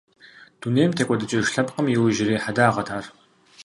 Дунейм текӀуэдыкӀыж лъэпкъым и иужьрей хьэдагъэт ар…